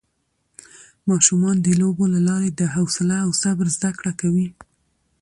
ماشومان د لوبو له لارې د حوصله او صبر زده کړه کوي